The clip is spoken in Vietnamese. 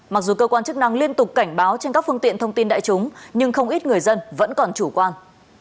mặc dù cơ quan chức năng liên tục cảnh báo trên các phương tiện thông tin đại chúng nhưng không ít người dân vẫn còn chủ quan